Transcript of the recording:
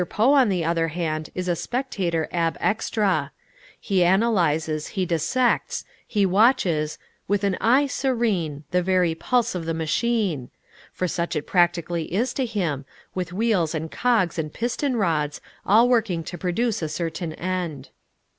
Poe, on the other hand, is a spectator ab extra. He analyzes, he dissects, he watches "with an eye serene, The very pulse of the machine," for such it practically is to him, with wheels and cogs and piston rods, all working to produce a certain end.